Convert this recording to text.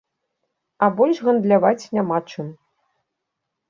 А больш гандляваць няма чым.